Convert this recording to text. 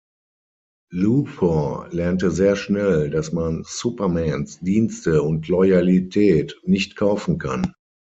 Luthor lernte sehr schnell, dass man Supermans Dienste und Loyalität nicht kaufen kann.